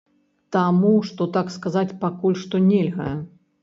Таму што так сказаць пакуль што нельга.